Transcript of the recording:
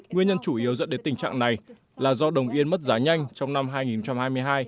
nguyên nhân chủ yếu dẫn đến tình trạng này là do đồng yên mất giá nhanh trong năm hai nghìn hai mươi hai